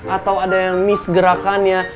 atau ada yang miss gerakannya